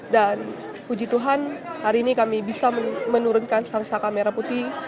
dan puji tuhan hari ini kami bisa menurunkan sang saka merah putih